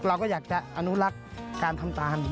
เราก็อยากจะอนุรักษ์การทำตาล